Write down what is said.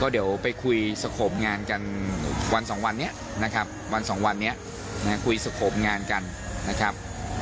เดี๋ยวไปคุยสโขมงานกันวันสองวันเนี้ยนะครับ